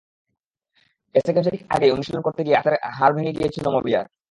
SA গেমসের ঠিক আগেই অনুশীলন করতে গিয়ে হাতের হাড় ভেঙে গিয়েছিল মাবিয়ার।